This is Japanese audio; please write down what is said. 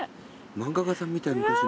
漫画家さんみたい昔の。